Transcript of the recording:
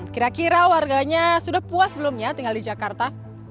kira kira warganya sudah puas belum ya tinggal di jakarta